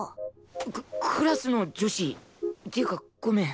ククラスの女子。っていうかごめん。